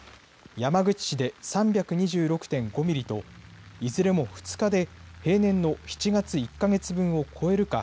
山口市で３２６．５ミリといずれも２日で平年の７月１か月分を超えるか